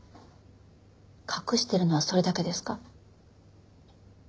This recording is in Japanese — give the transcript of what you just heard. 隠してるのはそれだけですか？